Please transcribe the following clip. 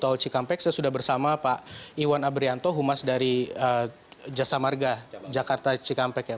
tolci kampek saya sudah bersama pak iwan abrianto humas dari jasa marga jakarta cikampek